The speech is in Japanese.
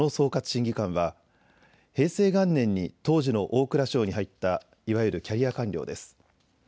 審議官は平成元年に当時の大蔵省に入ったいわゆるキャリア官僚です。